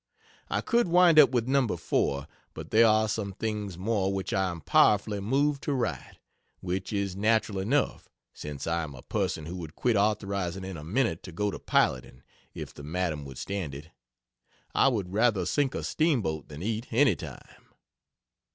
I could wind up with No. 4., but there are some things more which I am powerfully moved to write. Which is natural enough, since I am a person who would quit authorizing in a minute to go to piloting, if the madam would stand it. I would rather sink a steamboat than eat, any time.